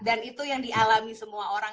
dan itu yang dialami semua orang